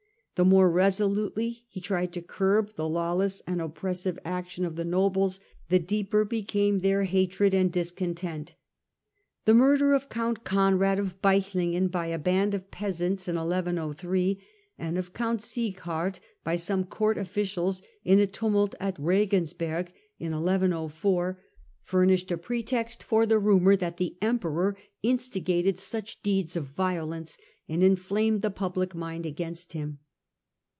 The more resolutely he tried to curb the lawless and oppressive action of the nobles the Digitized by VjOOQIC 176 HlLDEBRAND ieeper became their hatred and discontent. The murder of count Conrad of Beichlingen by a band of peasants (1103), and of count Sieghard by some court officiab in a tumult at Eegensberg (1 104), furnished a pretext for the rumour that the emperor instigated such deeds of rfolence, and inflamed the public mind against him.